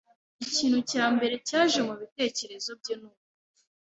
ikintu cya mbere cyaje mu bitekerezo bye ni “urupfu”